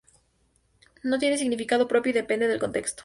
No tienen significado propio y dependen del contexto.